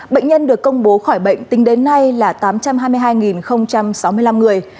bệnh nhân được công bố khỏi bệnh tính đến nay là tám trăm hai mươi hai sáu mươi năm người